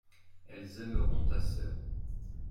elles aimeront ta sœur.